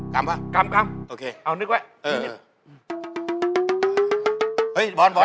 กรำไหมเอานิดกว่าค่ะนิด